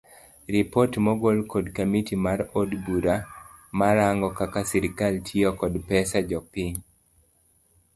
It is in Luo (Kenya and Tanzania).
Ripot mogol kod kamiti mar od bura marango kaka sirikal tiyo kod pes jopiny